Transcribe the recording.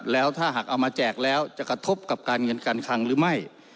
แล้วถ้าหากเอามาแจกแล้วจะกระทบกับการเงินการคังหรือไม่